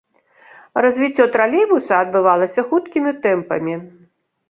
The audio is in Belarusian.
Развіццё тралейбуса адбывалася хуткімі тэмпамі.